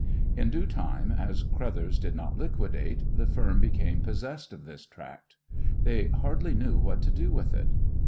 In due time, as Crothers did not liquidate, the firm became possessed of this tract. They hardly knew what to do with it.